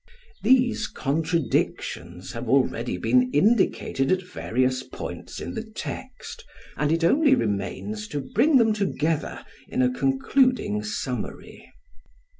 These contradictions have already been indicated at various points in the text, and it only remains to bring them together in a concluding summary.